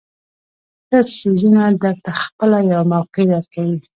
ښه څیزونه درته خپله یوه موقع درکوي.